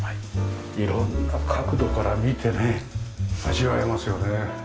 色んな角度から見てね味わえますよね。